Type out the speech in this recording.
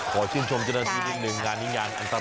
ขอชื่นชมเจ้าหน้าที่นิดนึงงานนี้งานอันตราย